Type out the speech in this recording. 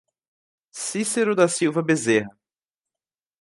Cicero da Silva Bezerra